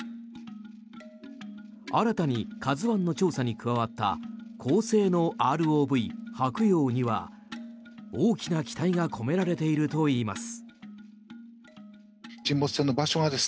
新たに「ＫＡＺＵ１」の調査に加わった高性能ＲＯＶ「はくよう」には大きな期待が込められているといいます。